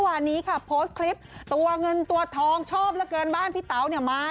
อันนี้ออกมาแล้ว